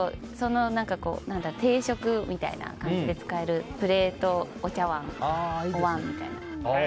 定食みたいな感じで使えるプレート、お茶わんおわんみたいな。